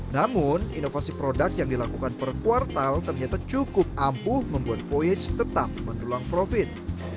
namun inovasi produk yang dilakukan per kuartal ternyata cukup ampuh membuat voyage tetap mendulang profit